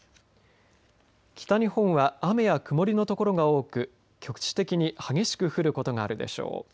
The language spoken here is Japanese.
北日本は雨や曇りのところが多く局地的に激しく降ることがあるでしょう。